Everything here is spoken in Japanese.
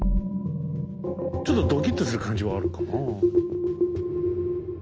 ちょっとドキッとする感じはあるかなあ。